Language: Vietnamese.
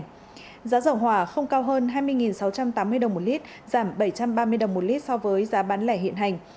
giá dầu hỏa không cao hơn hai mươi sáu trăm tám mươi đồng một lít giảm bảy trăm ba mươi đồng một lít so với giá bán lẻ hiện hành